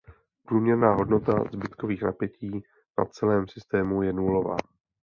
Průměrná hodnota zbytkových napětí na celém systému je nulová.